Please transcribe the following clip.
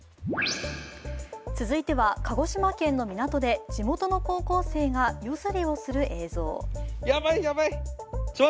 続いては、鹿児島県の港で地元の高校生が夜釣りをする映像。